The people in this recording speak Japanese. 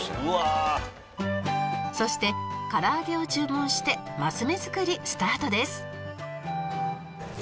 そしてから揚げを注文してマス目作りスタートです